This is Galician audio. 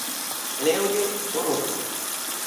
Léolle o rótulo.